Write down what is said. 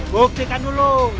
bukan itu yang akan menang